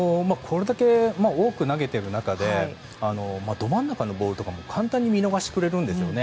これだけ多く投げている中でど真ん中のボールとかも簡単に見逃してくれるんですね。